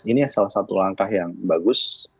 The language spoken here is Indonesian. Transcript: ini salah satu langkah yang bagus